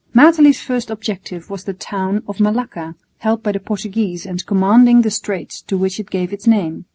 Matelief's first objective was the town of Malacca, held by the Portuguese and commanding the straits to which it gave its name.